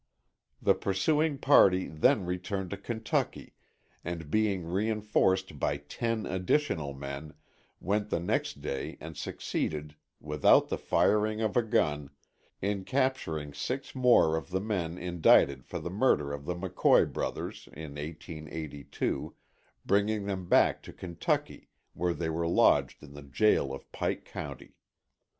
The pursuing party then returned to Kentucky, and being reinforced by ten additional men, went the next day and succeeded, without the firing of a gun, in capturing six more of the men indicted for the murder of the McCoy brothers, in 1882, bringing them back to Kentucky, where they were lodged in the jail of Pike County.